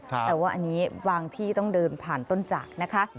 แต่ว่าอันนี้บางที่ต้องเดินผ่านต้นจากนะคะ